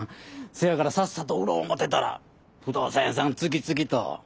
せやからさっさと売ろう思てたら不動産屋さん次々と。